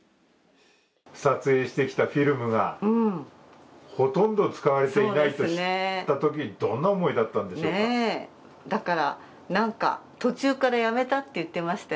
撮影してきたフィルムがほとんど使われていないと知ったときどんな思いだったんでしょうか？